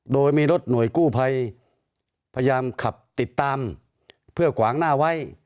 โดยมีรถหน่วยกู้ภัยพยายามขับติดตามเพื่อขวางหน้าไว้